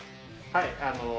はい。